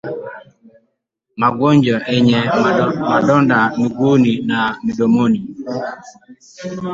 Magonjwa yenye madonda miguuni na midomoni